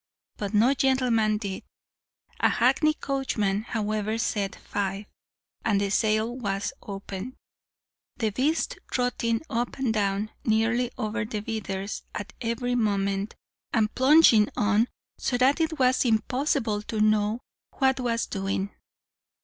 But no gentleman did. A hackney coachman, however, said five, and the sale was opened; the beast trotting up and down nearly over the bidders at every moment, and plunging on so that it was impossible to know what was doing.